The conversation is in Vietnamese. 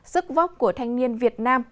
sức vóc của thanh niên việt nam